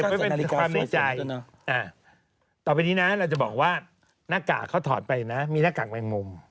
เพราะฉะนั้นเราจะบอกว่าหน้ากากเขาถอดไปนะมีหน้ากากแมงมุม